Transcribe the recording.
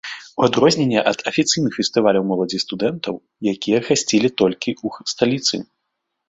У адрозненне ад афіцыйных фестываляў моладзі і студэнтаў, якія гасцілі толькі ў сталіцы.